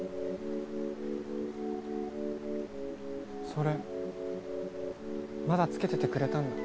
それまだ付けててくれたんだ。